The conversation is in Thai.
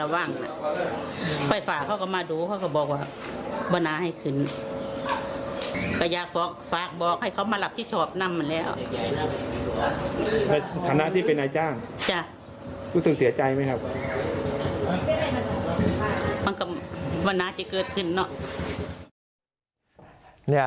วันหน้าจะเกิดขึ้นน่ะ